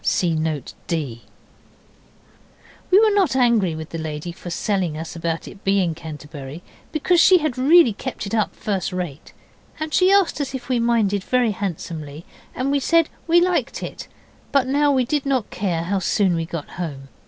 (See Note D.) We were not angry with the lady for selling us about it being Canterbury, because she had really kept it up first rate. And she asked us if we minded, very handsomely, and we said we liked it. But now we did not care how soon we got home.